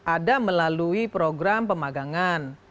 ada melalui program pemagangan